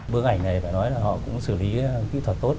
bức ảnh này phải nói là họ cũng xử lý kỹ thuật tốt